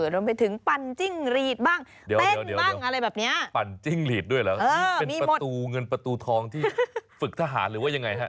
รวมไปถึงปั่นจิ้งรีดบ้างเต้นบ้างอะไรแบบนี้ปั่นจิ้งหลีดด้วยเหรอเป็นประตูเงินประตูทองที่ฝึกทหารหรือว่ายังไงฮะ